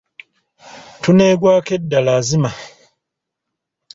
Tuneegwaako edda laazima!